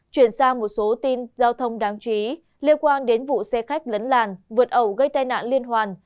chuyển sang một số tin giao thông đáng chú ý liên quan đến vụ xe khách lấn làn vượt ẩu gây tai nạn liên hoàn